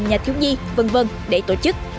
nhà thiếu nhi v v để tổ chức